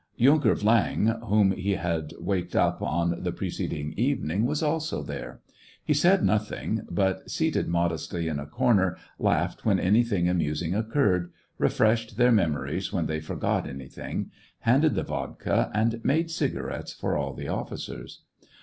Yunker Viang, whom he had waked up on the preceding evening, was also there. He said noth ing, but, seated modestly in a corner, laughed when anything amusing occurred, refreshed their memories when they forgot anything, handed the vodka, and made cigarettes for all the officers.